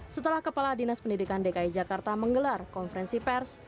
setelah kepala dinas pendidikan dki jakarta menggelar konferensi pers